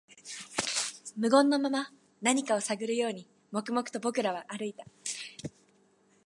無言のまま、何かを探るように、黙々と僕らは歩いた